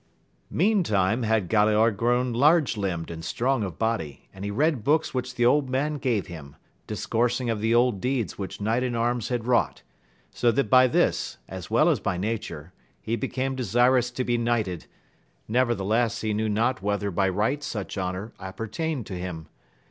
EANTIME • had Galaor grown large limbed and strong of body, and he read books which the old man gave him, discoursing of the old deeds which knights in arms had wrought, so that by this, as well as by nature, he became desirous to be knighted, nevertheless he knew not whether by right such honour appertained to him.